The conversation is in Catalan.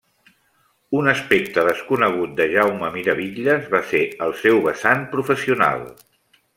Un aspecte desconegut de Jaume Miravitlles va ser el seu vessant professional.